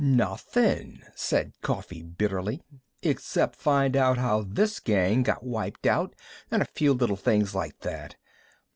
"Nothin'," said Coffee bitterly, "except find out how this gang got wiped out, an' a few little things like that.